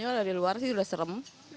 iya kayaknya dari luar sih udah serem